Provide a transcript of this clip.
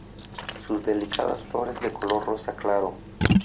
Sus delicadas flores de color rosa claro.